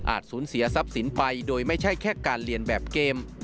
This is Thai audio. สูญเสียทรัพย์สินไปโดยไม่ใช่แค่การเรียนแบบเกม